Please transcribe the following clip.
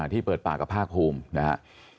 ที่เปิดปากกับภาคภูมินะครับ